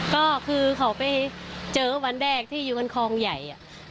ก็คือเขาไปเจอวันแรกที่อยู่บนคลองใหญ่